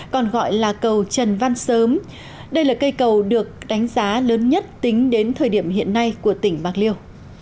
còn gọi là cầu trần văn sớm đây là cây cầu được đánh giá lớn nhất tính đến thời điểm hiện nay của tỉnh bạc liêu